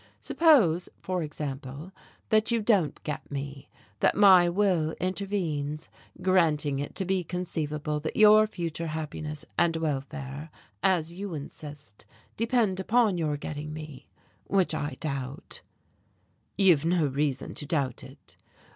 Suppose, for example, that you don't get me, that my will intervenes, granting it to be conceivable that your future happiness and welfare, as you insist, depend upon your getting me which I doubt." "You've no reason to doubt it."